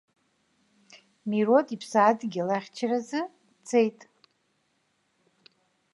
Мирод иԥсадгьыл ихьчаразы дцеит.